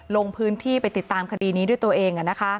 ลงพื้นที่ไปติดตามคดีนี้ด้วยตัวเอง